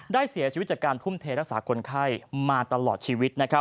เสียชีวิตจากการทุ่มเทรักษาคนไข้มาตลอดชีวิต